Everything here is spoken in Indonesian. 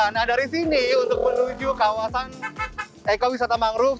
nah dari sini untuk menuju kawasan ekowisata mangrove